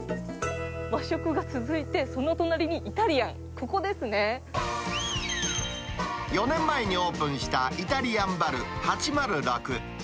和食が続いて、その隣にイタリア４年前にオープンしたイタリアンバル８０６。